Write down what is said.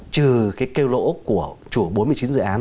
trừ cái kêu lỗ của chủ bốn mươi chín dự án